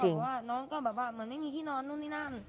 หรือว่าน้องก็แบบว่าเหมือนไม่มีที่นอนนู่นนี่นั่น